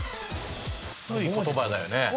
古い言葉だよね。